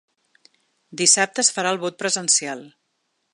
Dissabte es farà el vot presencial.